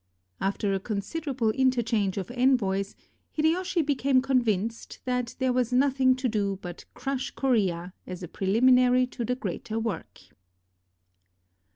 After a considerable interchange of envoys, Hideyoshi became convinced that there was nothing 26s KOREA to do but crush Korea, as a preliminary to the greater work.